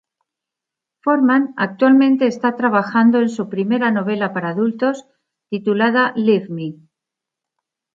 Forman actualmente está trabajando en su primera novela para adultos, titulada Leave Me.